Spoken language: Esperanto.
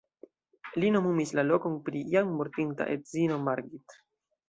Li nomumis la lokon pri jam mortinta edzino Margit.